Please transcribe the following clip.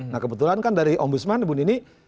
nah kebetulan kan dari om budsman ibu nini